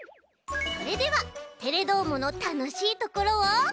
それでは「テレどーも！」のたのしいところを。